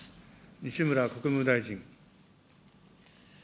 西村国務大臣。